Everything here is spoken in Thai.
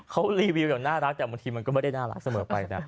เขารีวิวอย่างน่ารักแต่บางทีมันก็ไม่ได้น่ารักเสมอไปนะ